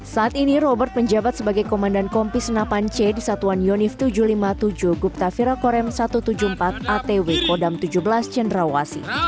saat ini robert menjabat sebagai komandan kompi senapan c di satuan yonif tujuh ratus lima puluh tujuh guptafira korem satu ratus tujuh puluh empat atw kodam tujuh belas cendrawasi